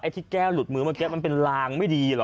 ที่แก้วหลุดมือเมื่อกี้มันเป็นลางไม่ดีเหรอ